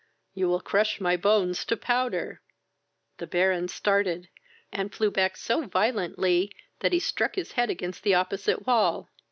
you will crush my bones to powder!" The Baron started, and flew back so violently, that he struck his head against the opposite wall.